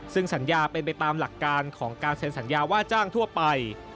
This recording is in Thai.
ซึ่งสัญญาเป็นไปตามหลักการของการเซ็นสัญญาว่าจ้างทั่วไป